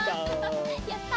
やった！